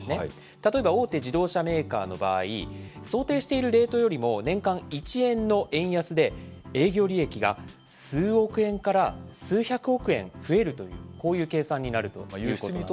例えば大手自動車メーカーの場合、想定しているレートよりも年間１円の円安で、営業利益が数億円から数百億円増えるという、こういう計算になるということです。